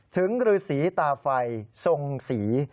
ถึงรือสีตาไฟทรงสี